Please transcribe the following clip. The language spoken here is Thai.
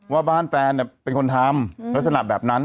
ว่าบ้านแฟนเป็นคนทำลักษณะแบบนั้น